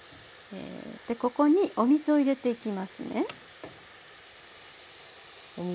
でここにお水を入れていきますね。